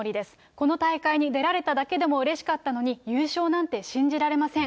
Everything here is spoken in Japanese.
この大会に出られただけでもうれしかったのに、優勝なんて信じられません。